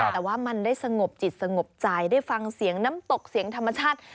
แต่ว่ามันได้สงบจิตสงบใจได้ฟังเสียงน้ำตกเสียงธรรมชาติ